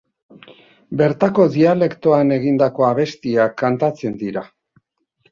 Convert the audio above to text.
Bertako dialektoan egindako abestiak kantatzen dira.